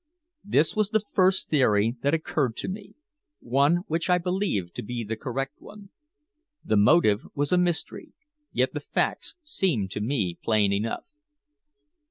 This was the first theory that occurred to me; one which I believed to be the correct one. The motive was a mystery, yet the facts seemed to me plain enough.